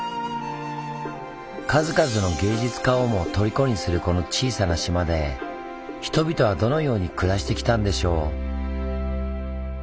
数々の芸術家をも虜にするこの小さな島で人々はどのように暮らしてきたんでしょう？